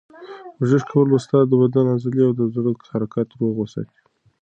ورزش کول به ستا د بدن عضلې او د زړه حرکت روغ وساتي.